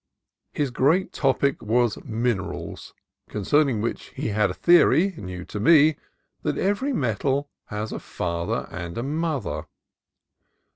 His great topic was minerals, con cerning which he had a theory, new to me, that every metal has a father and a mother.